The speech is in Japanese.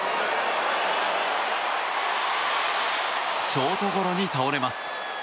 ショートゴロに倒れます。